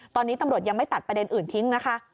ตอนนี้ตำรวจยังไม่ตัดประเด็นอื่นทิ้งนะคะ